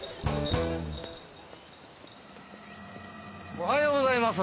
おはようございます。